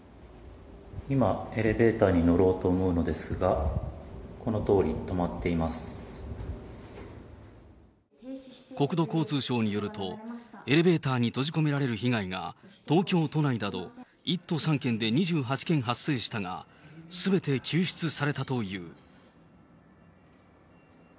今、エレベーターに乗ろうと思うのですが、このとおり、止まっていま国土交通省によると、エレベーターに閉じ込められる被害が、東京都内など１都３県で２８件発生したが、すべて救出されたという。